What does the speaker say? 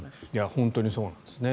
本当にそうなんですね。